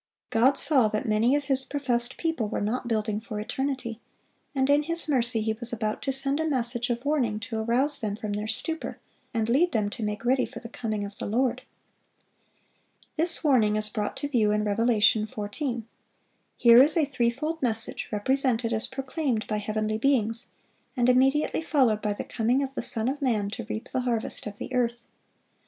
God saw that many of His professed people were not building for eternity, and in His mercy He was about to send a message of warning to arouse them from their stupor, and lead them to make ready for the coming of the Lord. This warning is brought to view in Revelation 14. Here is a threefold message represented as proclaimed by heavenly beings, and immediately followed by the coming of the Son of man "to reap the harvest of the earth."